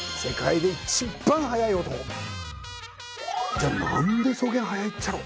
じゃあなんでそげん速いっちゃろ？